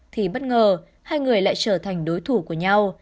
thì bất ngờ hai người lại trở thành đối thủ của nhau